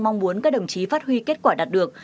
mong muốn các đồng chí phát huy kết quả đạt được